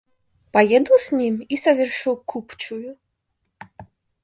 Поеду с ним и совершу купчую?